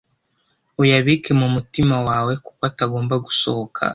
uyabike mu mutima wawe kuko atagomba gusohoka